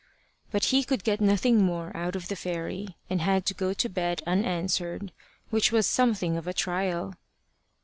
But he could get nothing more out of the fairy, and had to go to bed unanswered, which was something of a trial.